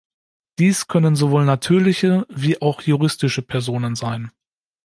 Dies können sowohl natürliche, wie auch juristische Personen sein.